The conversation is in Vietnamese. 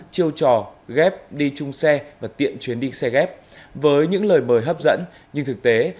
công an huyện vũ thư